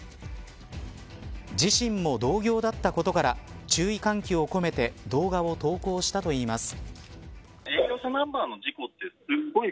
自身も同業だったことから注意喚起を込めて動画を投稿したといいます。